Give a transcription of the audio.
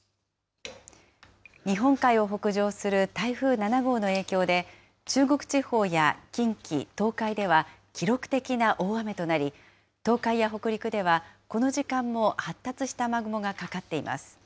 日本海を北上する台風７号の影響で、中国地方や近畿、東海では、記録的な大雨となり、東海や北陸ではこの時間も発達した雨雲がかかっています。